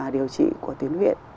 điều trị của tuyến viện